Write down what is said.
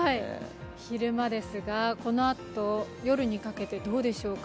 昼間からこのあと夜にかけてどうでしょうか。